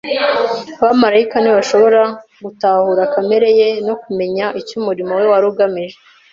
abamarayika ntibashoboraga gutahura kamere ye, no kumenya icyo umurimo we wari ugamije.